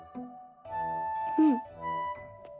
うん。